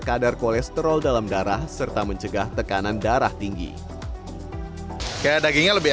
kadar kolesterol dalam darah serta mencegah tekanan darah tinggi kayak dagingnya lebih